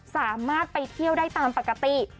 สามารถไปเที่ยวได้ตามปกติ